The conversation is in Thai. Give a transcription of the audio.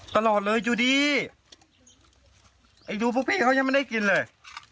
ตลอดเลยอยู่ดีไอ้ดูพวกพี่เขายังไม่ได้กินเลย